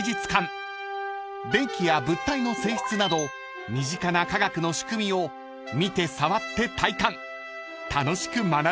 ［電気や物体の性質など身近な科学の仕組みを見て触って体感楽しく学べるスポットです］